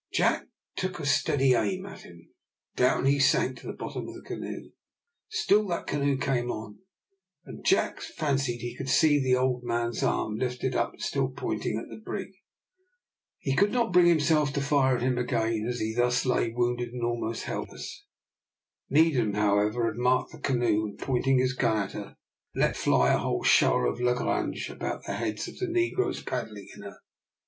Jack took a steady aim at him, down he sank to the bottom of the canoe. Still that same canoe came on, and Jack fancied that he could see the old man's arm lifted up and still pointing at the brig. He could not bring himself to fire at him again, as he thus lay wounded and almost helpless. Needham, however, had marked the canoe; and, pointing his gun at her, let fly a whole shower of langrage about the heads of the negroes paddling in her.